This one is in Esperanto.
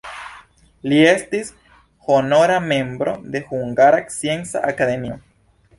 Li estis honora membro de Hungara Scienca Akademio.